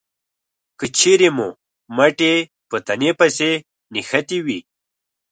که چېرې مو مټې په تنې پسې نښتې وي